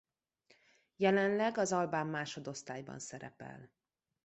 Jelenleg az albán másodosztályban szerepel.